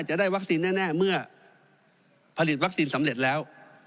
จะได้วัคซีนแน่เมื่อผลิตวัคซีนสำเร็จแล้ว